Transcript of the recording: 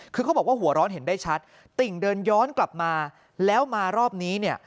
คือเขาบอกว่าหัวร้อนเห็นได้ชัดติ่งเดินย้อนกลับมาแล้วมารอบนี้เนี่ย